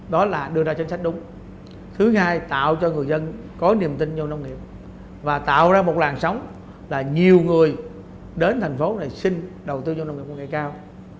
đó là đưa ra chính sách đúng thứ hai tạo cho người dân có niềm tin vô nông nghiệp và tạo ra một làn sóng là nhiều người đến thành phố để xin đầu tư cho nông nghiệp công nghệ cao